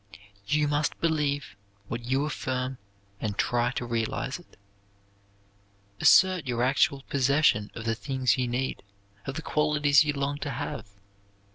You must believe what you affirm and try to realise it. Assert your actual possession of the things you need; of the qualities you long to have.